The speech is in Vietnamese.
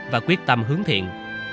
và quyết tâm hướng thiện